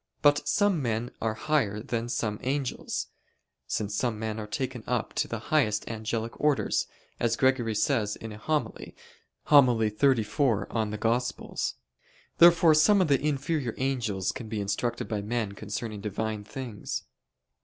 But some men are higher than some angels; since some men are taken up to the highest angelic orders, as Gregory says in a homily (Hom. xxxiv in Evang.). Therefore some of the inferior angels can be instructed by men concerning Divine things.